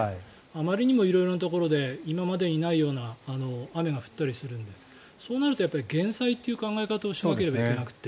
あまりにも色々なところで今までにないような雨が降ったりするんでそうなると減災という考え方をしないといけなくて。